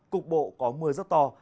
cục bộ có mưa rất to